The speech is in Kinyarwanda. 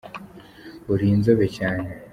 uri inzobe cyane!